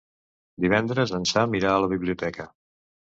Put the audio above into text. Divendres en Sam irà a la biblioteca.